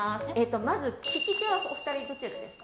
まず利き手は２人どちらですか。